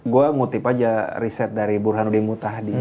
gue ngutip aja riset dari burhanudin muthahdi